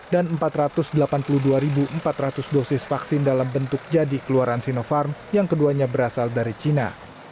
dan empat ratus delapan puluh dua empat ratus dosis vaksin dalam bentuk jadi keluaran sinovac yang keduanya berasal dari cina